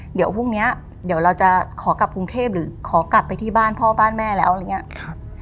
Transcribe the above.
เดี๋ยวพรุ่งนี้เดี๋ยวเราจะขอกลับกรุงเทพหรือขอกลับไปที่บ้านพ่อบ้านแม่แล้วอะไรอย่างนี้